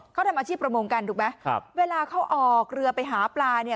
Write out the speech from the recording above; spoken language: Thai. เขาทำอาชีพประมงกันถูกไหมครับเวลาเขาออกเรือไปหาปลาเนี่ย